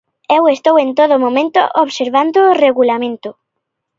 Eu estou en todo momento observando o regulamento.